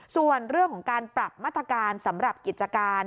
ส่วนเรื่องของการปรับมาตรการสำหรับกิจการ